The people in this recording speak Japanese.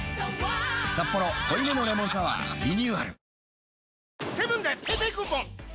「サッポロ濃いめのレモンサワー」リニューアル